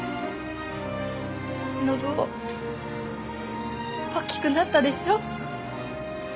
信男大きくなったでしょ？